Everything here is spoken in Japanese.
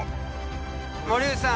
森口さん。